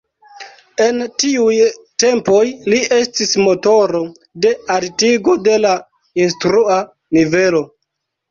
En tiuj tempoj li estis motoro de altigo de la instrua nivelo.